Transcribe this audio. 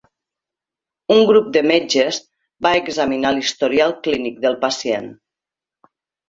Un grup de metges va examinar l'historial clínic del pacient.